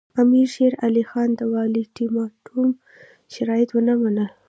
امیر شېر علي خان د اولټیماټوم شرایط ونه منل.